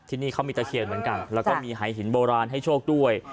ที่นี่เขามีตะเคียนเหมือนกันแล้วก็มีหายหินโบราณให้โชคด้วย